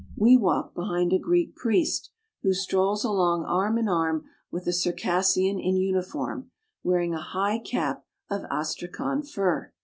We walk behind a Greek priest, who strolls along arm and arm with a Circassian in uniform, wear ing a high cap of astrakhan fur.